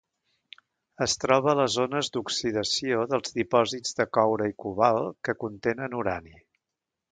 Es troba a les zones d'oxidació dels dipòsits de coure i cobalt que contenen urani.